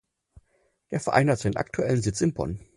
Der Verein hat seinen aktuellen Sitz in Bonn.